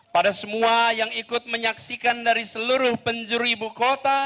pada semua yang ikut menyaksikan dari seluruh penjuru ibu kota